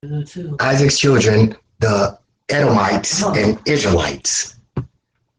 Isaac's children the Edomites and Israelites.